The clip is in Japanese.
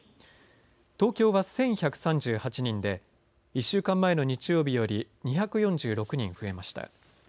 東京は１１３８人で１週間前の日曜日より２４６人増えました。